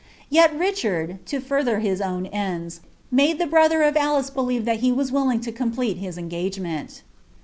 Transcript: Yet Richard, to further his own ends, made the brother e believe thai he was willing to complete his engagement.